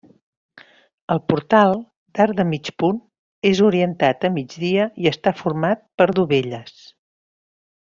El portal, d'arc de mig punt, és orientat a migdia i està format per dovelles.